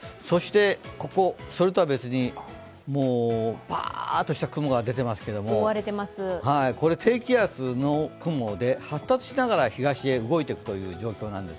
それとは別にぱーっとした雲が出ていますけれども、これ、低気圧の雲で発達しながら東へ動いていくという状況です。